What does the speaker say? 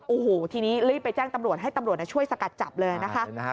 โอ้โหทีนี้รีบไปแจ้งตำรวจให้ตำรวจช่วยสกัดจับเลยนะคะ